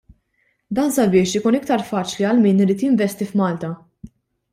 Dan sabiex ikun iktar faċli għal min irid jinvesti f'Malta.